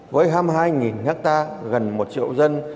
với hai mươi hai hectare gần một triệu dân